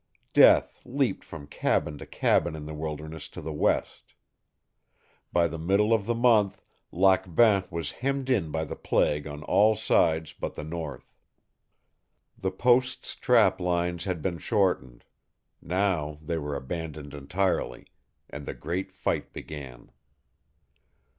Death leaped from cabin to cabin in the wilderness to the west. By the middle of the month, Lac Bain was hemmed in by the plague on all sides but the north. The post's trap lines had been shortened; now they were abandoned entirely, and the great fight began.